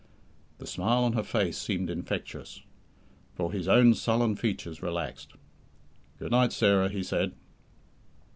The smile on her face seemed infectious, for his own sullen features relaxed. "Good night, Sarah," he said.